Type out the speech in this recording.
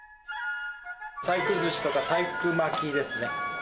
細工ずしとか細工巻きですね。